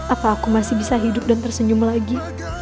apa aku masih bisa hidup dan tersenyum lagi